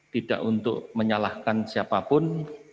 tidak untuk menyalahkan siapapun